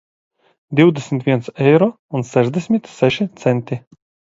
Divdesmit viens eiro un sešdesmit seši centi